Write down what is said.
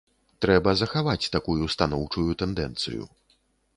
Трэба захаваць такую станоўчую тэндэнцыю.